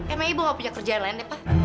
emang ibu gak punya kerjaan lain deh pak